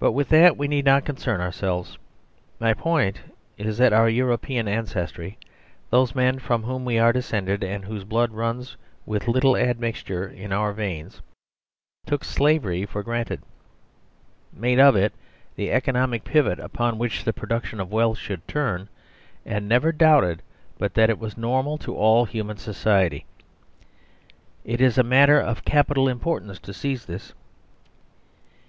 But with that we need not concern ourselves. My point is that our European ancestry, those men from whom we are descended and whose blood runs with little admixture in our veins, took slavery for granted, made of it the economic pivot upon which the pro Si THE SERVILE STATE duction of wealth should turn, and never doubted but that it was normal to all human society. It is a matter of capital importance to seize this.